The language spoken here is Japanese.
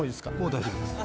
大丈夫です。